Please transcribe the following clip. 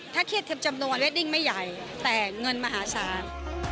ถ้าเครียดทำจำนวนเรดดิ้งไม่ใหญ่แต่เงินมหาศาล